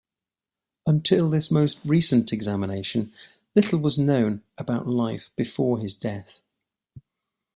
Until this most recent examination, little was known about his life before his death.